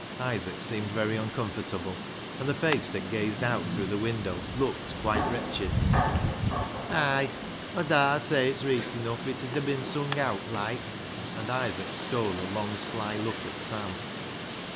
Isaac seemed very uncomfortable, and the face that gazed out through the window looked quite wretched. "Ay! Aw darr say it's reet enuff if it 'ud bin sung owt like" — and Isaac stole a long sly look at Sam.